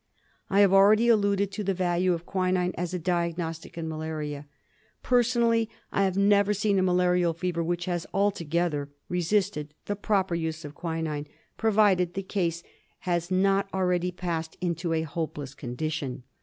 I have already alluded to the value of quinine as a diagnostic in malaria. Personally, I have never seen a malarial fever which has altogether resisted the proper use of quinine, provided the case has not already passed into a hopeless condition.